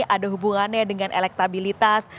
ada hubungannya dengan elektabilitas